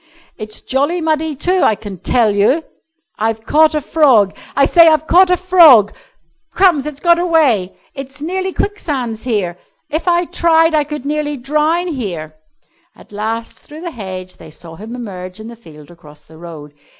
"It's jolly muddy, too, I can tell you." "I've caught a frog! I say, I've caught a frog!" "Crumbs! It's got away!" "It's nearly quicksands here." "If I tried I could nearly drown here!" At last, through the hedge, they saw him emerge in the field across the road.